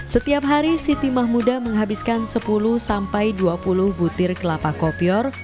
setiap hari sitimah muda menghabiskan sepuluh sampai dua puluh butir kelapa kopior